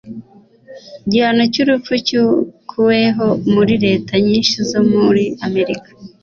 igihano cyurupfu cyakuweho muri leta nyinshi zo muri amerika